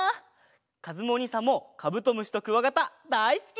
かずむおにいさんもカブトムシとクワガタだいすき！